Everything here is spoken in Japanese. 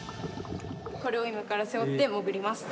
これを今から背負って潜ります。